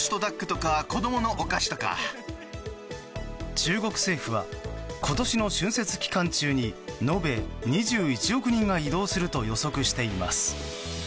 中国政府は今年の春節期間中に延べ２１億人が移動すると予測しています。